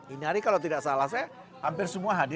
ini hari kalau tidak salah saya hampir semua hadir